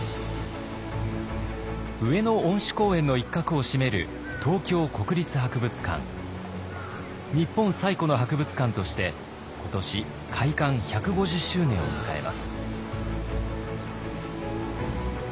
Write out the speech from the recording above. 上野恩賜公園の一角を占める日本最古の博物館として今年開館１５０周年を迎えます。